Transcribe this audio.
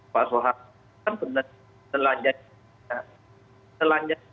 pak suharto kan benar benar selanjang